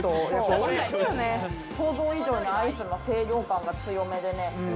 想像以上にアイスの清涼感が強めでね。